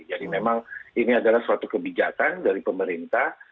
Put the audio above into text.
jadi memang ini adalah suatu kebijakan dari pemerintah